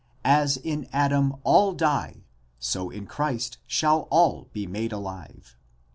''As in Adam all die so in Christ shall all be made alive."